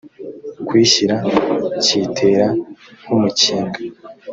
kiyishyira kiyitera nk umukinga